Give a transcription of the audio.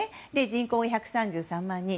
人口は１３３万人。